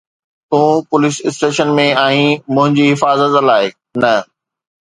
تون police station ۾ آهين، منهنجي حفاظت لاءِ نه.